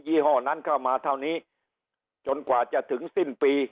ี่ห้อนั้นเข้ามาเท่านี้จนกว่าจะถึงสิ้นปี